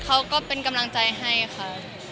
เขาก็เป็นกำลังใจให้ค่ะ